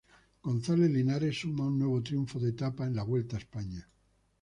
González Linares suma un nuevo triunfo de etapa en la Vuelta a España.